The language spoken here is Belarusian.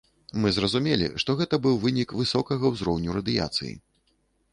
Мы зразумелі, што гэта быў вынік высокага ўзроўню радыяцыі.